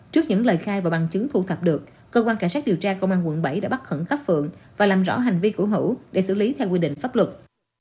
trước những lời khai và bằng chứng thu thập được cơ quan cảnh sát điều tra công an quận bảy đã bắt khẩn cấp phượng và làm rõ hành vi của hữu để xử lý theo quy định pháp luật